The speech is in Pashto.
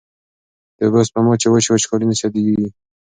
د اوبو سپما چې وشي، وچکالي نه شدېږي.